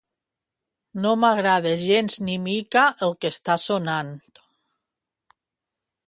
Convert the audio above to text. No m'agrada gens ni mica el que està sonant.